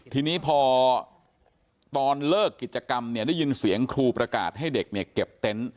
ทีนี้พอตอนเลิกกิจกรรมเนี่ยได้ยินเสียงครูประกาศให้เด็กเนี่ยเก็บเต็นต์